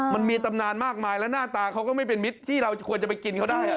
มันมีตำนานมากมายแล้วหน้าตาเขาก็ไม่เป็นมิตรที่เราควรจะไปกินเขาได้